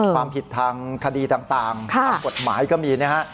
ความผิดทางคดีต่างกฎหมายก็มี